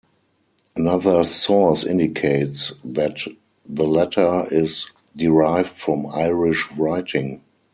Another source indicates that the letter is 'derived from Irish writing.